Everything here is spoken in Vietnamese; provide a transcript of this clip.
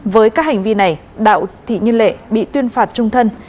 với các hành vi này đạo thị như lệ bị tuyên phạt trung thân